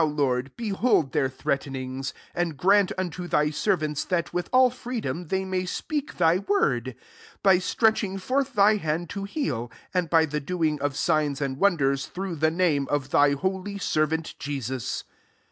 Lord, behold their threatenings : and grant unto thy servants, that with all freedom they may speak thy word; 50 by stretching forth thy hand to heal; and by the doing of signs and wonders through the name of thy holy servant Jesus."